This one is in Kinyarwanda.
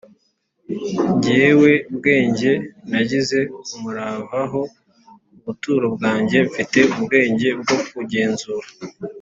jyewe bwenge nagize umurava ho ubuturo bwanjye, mfite ubwenge bwo kugenzura